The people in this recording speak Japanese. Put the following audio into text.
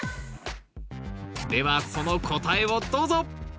ではその答えをどうぞ！